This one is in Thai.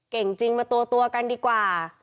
เก่งจริงมาตัวกันดีกว่า